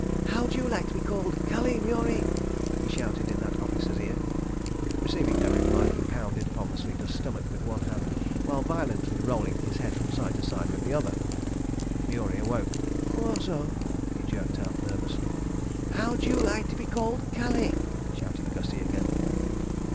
... How'd you like to be called Cully, Murie?" he shouted in that officer's ear. Receiving no reply, he pounded upon the sleeper's stomach with one hand while violently rolling his head from side to side with the other. Murie awoke. "Whassup?" he jerked out nervously. "How'd you like to be called Cully?" shouted Gussie again.